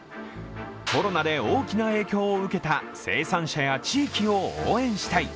コロナで大きな影響を受けた生産者や地域を応援したい。